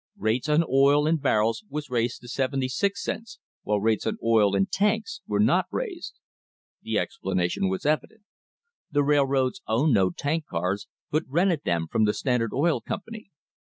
Rates on oil in barrels were raised to sixty six cents, while rates on oil in tanks were not raised. The explanation was evident. The rail road owned no tank cars, but rented them from the Standard Oil Company.